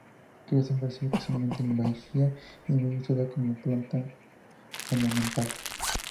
Crece en Brasil, especialmente en Bahía, y es muy usada como planta ornamental.